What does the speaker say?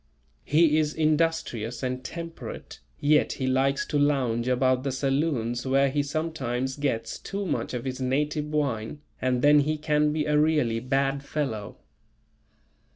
He is industrious and temperate, yet he likes to lounge about the saloons where he sometimes gets too much of his native wine and then he can be a really bad fellow.